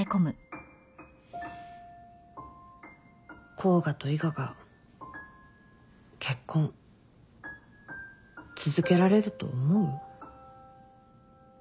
甲賀と伊賀が結婚続けられると思う？